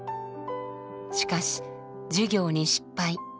しかし事業に失敗。